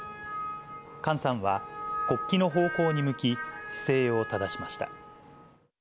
菅さんは、国旗の方向に向き、姿勢を正しました。